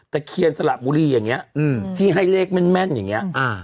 เคียนสระบุรีอย่างนี้ที่ให้เลขแม่นอย่างนี้